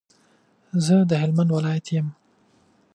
زه د هلمند ولایت یم.